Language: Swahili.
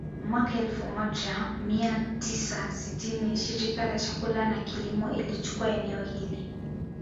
Mwaka elfu moja mia tisa sitini Shirika la Chakula na Kilimo ilichukua eneo hili